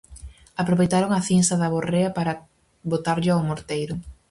Aproveitaron a cinsa da borrea para botarlla ao morteiro.